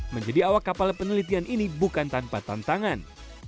menjadi awak kapal penelitian ini bukan tanpa tantangan